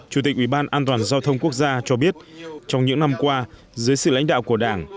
chủ tịch ủy ban an toàn giao thông quốc gia cho biết trong những năm qua dưới sự lãnh đạo của đảng